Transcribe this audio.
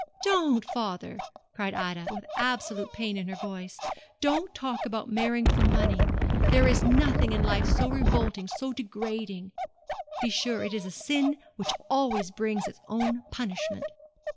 'Don't, father!' cried Ida, with absolute pain in her voice. 'Don't talk about marrying for money. There is nothing in life so revolting, so degrading. Be sure, it is a sin which always brings its own punishment.'